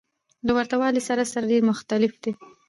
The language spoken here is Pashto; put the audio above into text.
له ورته والي سره سره ډېر مختلف دى.